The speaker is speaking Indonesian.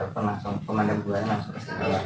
memang kan daerah pinggir kali